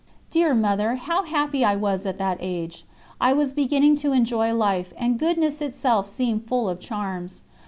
Dear Mother, how happy I was at that age! I was beginning to enjoy life, and goodness itself seemed full of charms.